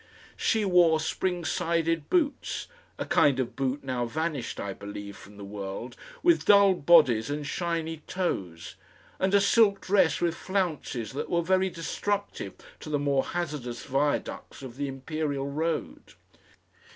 She wore spring sided boots, a kind of boot now vanished, I believe, from the world, with dull bodies and shiny toes, and a silk dress with flounces that were very destructive to the more hazardous viaducts of the Imperial Road.